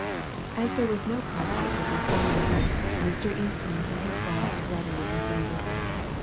As there was no prospect of reforming her, Mr. Eastman and his wife readily consented.